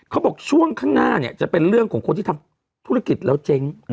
เขาบอกช่วงข้างหน้าเนี่ยจะเป็นเรื่องของคนที่ทำธุรกิจแล้วเจ๊ง